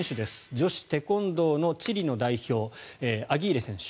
女子テコンドーのチリの代表のアギーレ選手。